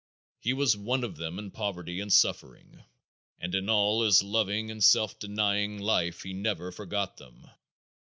He was one of them in poverty and suffering and in all his loving and self denying life he never forgot them.